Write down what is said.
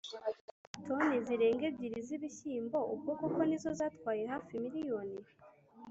Toni zirenga ebyiri z’ibishyimbo ubwo koko nizo zatwaye hafi miriyoni.